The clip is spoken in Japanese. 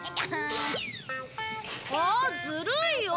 あっずるいよ。